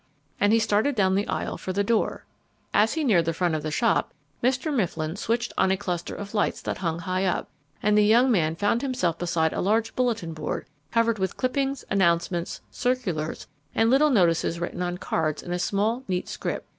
And he started down the aisle for the door. As he neared the front of the shop, Mr. Mifflin switched on a cluster of lights that hung high up, and the young man found himself beside a large bulletin board covered with clippings, announcements, circulars, and little notices written on cards in a small neat script.